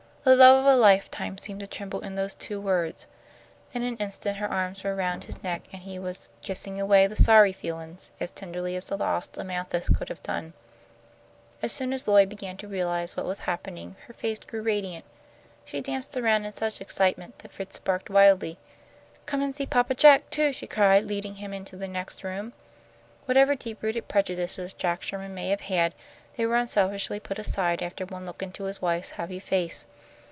The love of a lifetime seemed to tremble in those two words. In an instant her arms were around his neck, and he was "kissing away the sorry feelin's" as tenderly as the lost Amanthis could have done. As soon as Lloyd began to realize what was happening, her face grew radiant. She danced around in such excitement that Fritz barked wildly. "Come an' see Papa Jack, too," she cried, leading him into the next room. Whatever deep rooted prejudices Jack Sherman may have had, they were unselfishly put aside after one look into his wife's happy face.